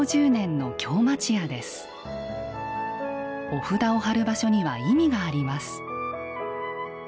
お札を貼る場所には意味があります。